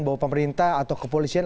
bahwa pemerintah atau kepolisian